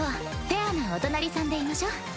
フェアなお隣さんでいましょ。